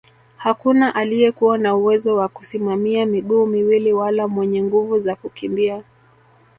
Hakuna aliyekuwa na uwezo wa kusimamia miguu miwili wala mwenye nguvu za kukimbia